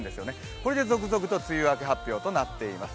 これで続々と梅雨明け発表となっています。